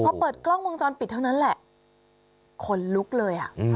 พอเปิดกล้องวงจรปิดเท่านั้นแหละคนลุกเลย